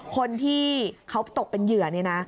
คนที่เขาตกเป็นเหยื่อนี่นะ